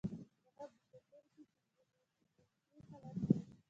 دوهم د زده کوونکي فزیالوجیکي حالت دی.